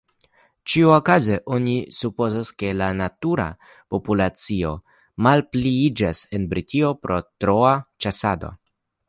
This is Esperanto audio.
Ĉiukaze oni supozas, ke la "natura" populacio malpliiĝas en Britio pro troa ĉasado.